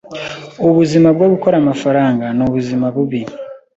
Ubuzima bwo Gukora Amafaranga nubuzima bubi